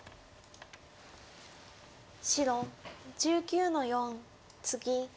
白１９の四ツギ。